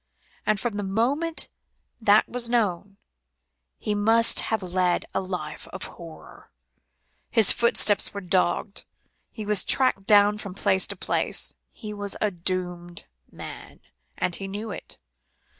And from the moment that was known, he must have led a life of horror. His footsteps were dogged; he was tracked down from place to place; he was a doomed man, and he knew it.